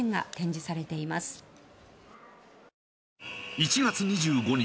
１月２５日